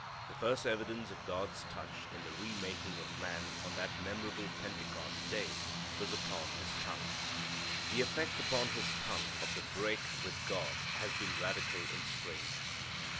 The first evidence of God's touch in the re making of man on that memorable Pentecost day was upon his tongue. The effect upon his tongue of the break with God has been radical and strange.